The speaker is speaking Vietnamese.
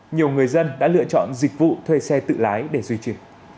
nhiều người dân đã lựa chọn dịch vụ thuê xe tự lái để duy trì